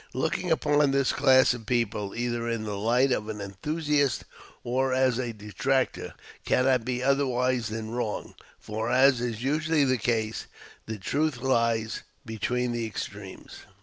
Looking upon this class of people, either in the light of an enthusiast or as a detractor, cannot be otherwise than wrong; for, as is usually the case, the truth lies between the extremes.